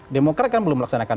demokrat kan belum melaksanakan